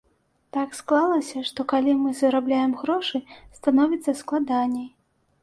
Так склалася, што, калі мы зарабляем грошы, становіцца складаней.